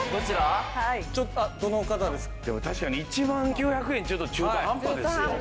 でも確かに１万９００円ちょっと中途半端ですよ。